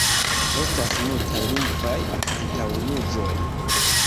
Estas multaj lingvaj antaŭjuĝoj.